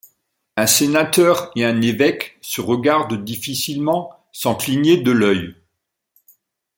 Un sénateur et un évêque se regardent difficilement sans cligner de l’œil.